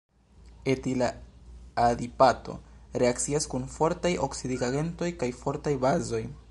Etila adipato reakcias kun fortaj oksidigagentoj kaj fortaj bazoj.